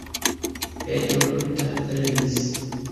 Petro tuta ektremis.